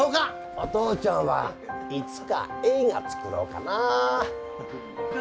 お父ちゃんはいつか映画作ろうかな。